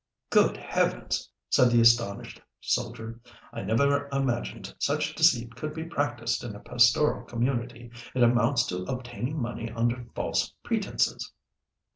"Good Heavens!" said the astonished soldier. "I never imagined such deceit could be practised in a pastoral community. It amounts to obtaining money under false pretences!"